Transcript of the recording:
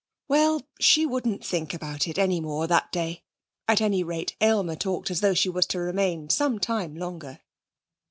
Well, she wouldn't think about it any more that day. At any rate Aylmer talked as though she was to remain some time longer.